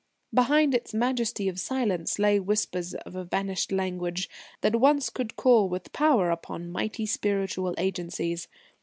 Behind its majesty of silence lay whispers of a vanished language that once could call with power upon mighty spiritual Agencies.